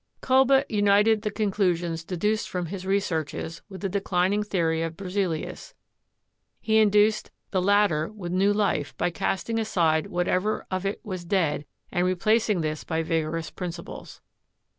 Kolbe united the conclusions deduced from his re searches with the declining theory of Berzelius; he in dued the latter with new life by casting aside whatever of it was dead and replacing this by vigorous principles.